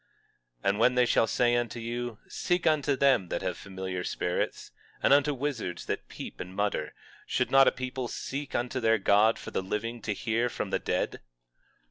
18:19 And when they shall say unto you: Seek unto them that have familiar spirits, and unto wizards that peep and mutter—should not a people seek unto their God for the living to hear from the dead?